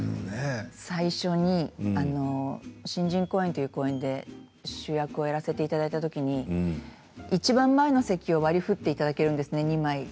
新人公演で主役をやらせていただいたときにいちばん前の席を割りふっていただけるんですね２枚。